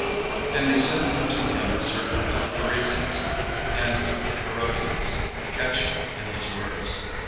And they send unto him certain of the Pharisees and of the Herodians, to catch him in his words.